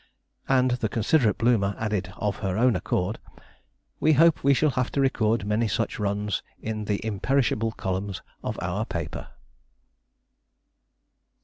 And the considerate Bloomer added of her own accord, 'We hope we shall have to record many such runs in the imperishable columns of our paper.'